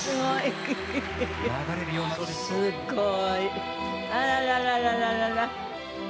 すごい。